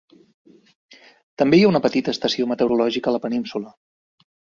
També hi ha una petita estació meteorològica a la península.